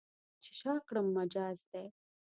چې شا کړم، مجاز دی.